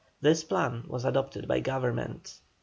This plan was adopted by Government.